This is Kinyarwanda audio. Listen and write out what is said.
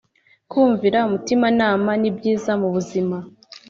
kumvira umutima nama nibyiza mubuzima